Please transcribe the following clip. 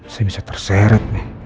saya bisa terseret nih